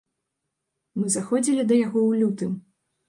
Мы заходзілі да яго ў лютым.